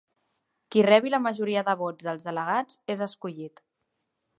Qui rebi la majoria de vots dels delegats és escollit.